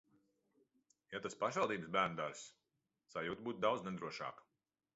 Ja tas pašvaldības bērnudārzs, sajūta būtu daudz nedrošāka.